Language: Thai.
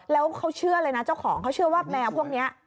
แล้วเขาเชื่อเลยนะเจ้าของเขาเชื่อว่าแมวพวกนี้